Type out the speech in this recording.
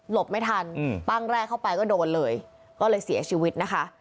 ไม่ทันปั้งแรกเข้าไปก็โดนเลยก็เลยเสียชีวิตนะคะ